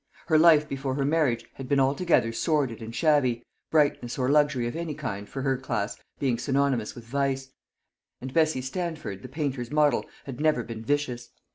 Her life before her marriage had been altogether sordid and shabby, brightness or luxury of any kind for her class being synonymous with vice; and Bessie Stanford the painter's model had never been vicious.